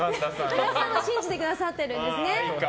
岩井さんは信じてくださってるんですね。